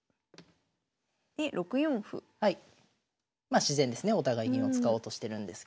まあ自然ですねお互い銀を使おうとしてるんですけど。